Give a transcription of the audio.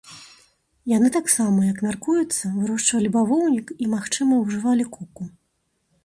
Яны таксама, як мяркуецца, вырошчвалі бавоўнік і, магчыма, ужывалі коку.